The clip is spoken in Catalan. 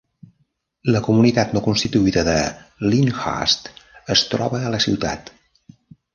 La comunitat no constituïda de Lyndhurst es troba a la ciutat.